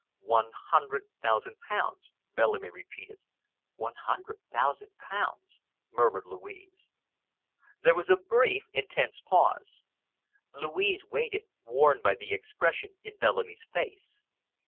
"One hundred thousand pounds," Bellamy repeated. "One hundred thousand pounds!" murmured Louise. There was a brief, intense pause. Louise waited, warned by the expression in Bellamy's face.